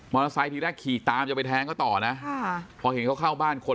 ทีแรกขี่ตามจะไปแทงเขาต่อนะค่ะพอเห็นเขาเข้าบ้านคน